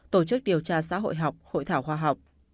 tổ chức điều tra xã hội học hội thảo khoa học